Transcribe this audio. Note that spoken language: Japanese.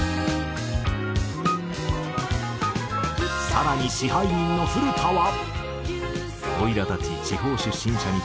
更に支配人の古田は。